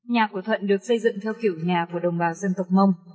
nhà của thuận được xây dựng theo kiểu nhà của đồng bào dân tộc mông